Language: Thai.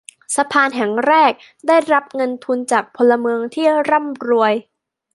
สะพานแห่งแรกได้รับเงินทุนจากพลเมืองที่ร่ำรวย